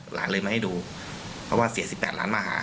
หลานเลยมาให้ดูเพราะว่าเสีย๑๘ล้านมาหา